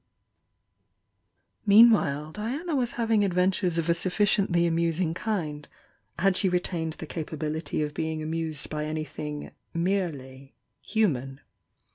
Meanwhile Diana was having adventures of a sufficiently amusing kind, had she retained the capa bility of being amused by anything "merely" human.